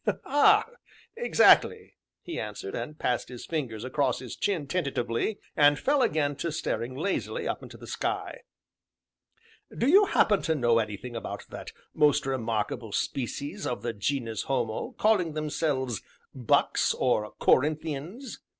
"Ah exactly!" he answered, and passed his fingers across his chin tentatively, and fell again to staring lazily up into the sky. "Do you happen to know anything about that most remarkable species of the 'genus homo' calling themselves 'Bucks,' or 'Corinthians'?"